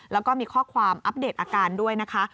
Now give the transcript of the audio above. แล้วก็มีข้อความอัปเดตอาการด้วยนะคะ